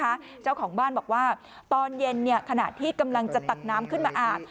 เจ้าของบ้านบอกว่าตอนเย็นเนี่ยขณะที่กำลังจะตักน้ำขึ้นมาอาบ